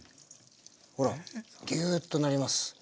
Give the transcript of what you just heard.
ほらギューッとなります。